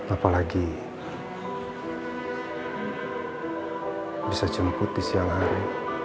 apalagi bisa jemput di siang hari